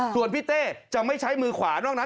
ส่วนพี่เต้จะไม่ใช้มือขวานอกนั้น